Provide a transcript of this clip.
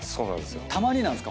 たまになんですか？